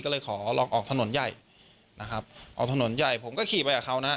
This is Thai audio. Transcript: ก็เลยขอลองออกถนนใหญ่นะครับออกถนนใหญ่ผมก็ขี่ไปกับเขานะ